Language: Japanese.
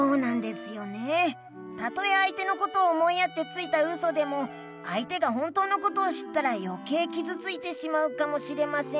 たとえあいてのことを思いやってついたウソでもあいてが本当のことを知ったらよけいきずついてしまうかもしれませんし。